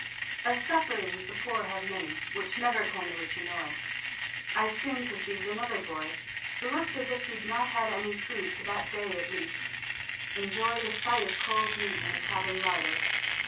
Of sufferings the poor have many, Which never can the rich annoy: I soon perceiv'd another boy, Who look'd as if he'd not had any Food, for that day at least enjoy The sight of cold meat in a tavern larder.